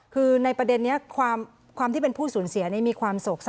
คือในประเด็นนี้ความที่เป็นผู้สูญเสียมีความสุขซะ